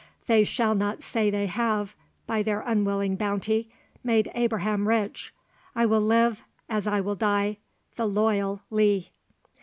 They shall not say they have, by their unwilling bounty, made Abraham rich—I will live, as I will die, the Loyal Lee."